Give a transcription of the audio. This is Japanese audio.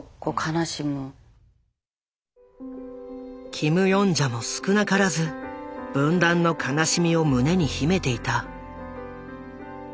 キム・ヨンジャも少なからず分断の悲しみを胸に秘めていた。